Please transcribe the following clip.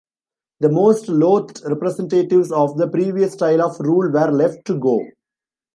The most loathed representatives of the previous style of rule were left to go.